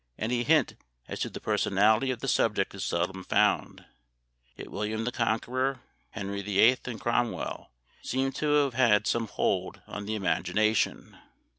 Any hint as to the personality of the subject is seldom found, yet William the Conqueror, Henry VIII, and Cromwell, seem to have had some hold on the imagination.